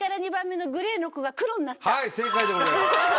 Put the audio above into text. はい正解でございます。